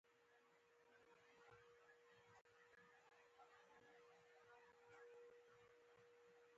دواړو ډلو ته غوږ ږدي او له هغې وروسته پرېکړه کوي.